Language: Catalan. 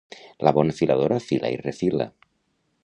La bona filadora fila i refila.